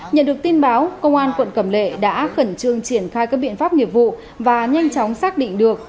nhận được tin báo công an quận cầm lệ đã khẩn trương triển khai các biện pháp nghiệp vụ và nhanh chóng xác định được